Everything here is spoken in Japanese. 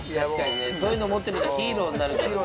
そういうの持ってるとヒーローになれるからね。